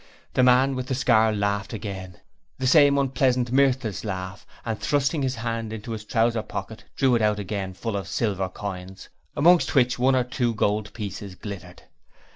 The man with the scar laughed again, the same unpleasant, mirthless laugh, and thrusting his hand into his trouser pocket drew it out again full of silver coins, amongst which one or two gold pieces glittered.